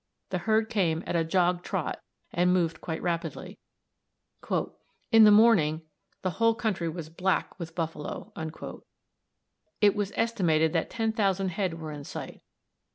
The herd came at a jog trot, and moved quite rapidly. "In the morning the whole country was black with buffalo." It was estimated that 10,000 head were in sight.